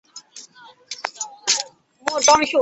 班洪事件中曾率岩帅武装支援班洪抗英。